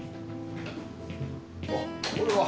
おっこれは。